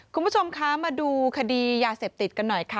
คุณผู้ชมคะมาดูคดียาเสพติดกันหน่อยค่ะ